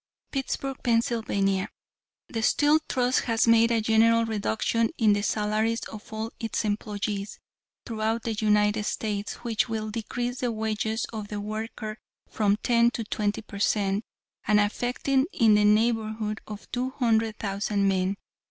"Pittsburg, Pa.: The Steel Trust has made a general reduction in the salaries of all its employees throughout the United States, which will decrease the wages of the worker from ten to twenty per cent, and affecting in the neighborhood of two hundred thousand men.